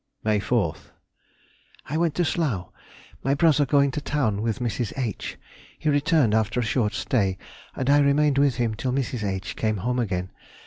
May 4th.—I went to Slough, my brother going to town with Mrs. H. He returned after a short stay, and I remained with him till Mrs. H. came home again.